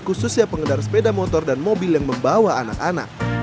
khususnya pengendara sepeda motor dan mobil yang membawa anak anak